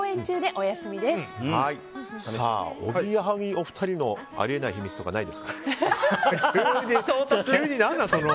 おぎやはぎお二人のあり得ない秘密とか急に何だその。